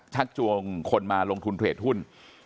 ชักจวงคนมาลงทุนเทรดหุ้น